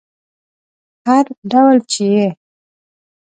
هر ډول چې یې